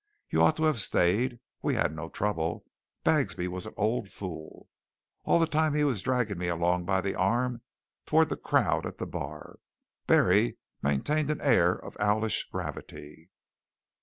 You ought to have stayed. We had no trouble. Bagsby was an old fool!" All the time he was dragging me along by the arm toward the crowd at the bar. Barry maintained an air of owlish gravity.